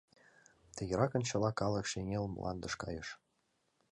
Тыгеракын чыла калык шеҥгел мландыш кайыш.